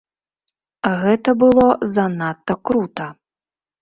Гэта было занадта крута!